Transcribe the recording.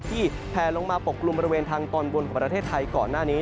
แพลลงมาปกกลุ่มบริเวณทางตอนบนของประเทศไทยก่อนหน้านี้